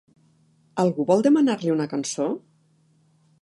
Algú vol demanar-li una cançó?